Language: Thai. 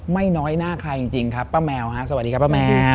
ไม่น้อยหน้าใครจริงครับป้าแมวฮะสวัสดีครับป้าแมว